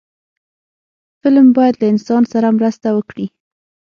فلم باید له انسان سره مرسته وکړي